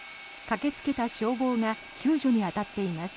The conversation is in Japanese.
駆けつけた消防が救助に当たっています。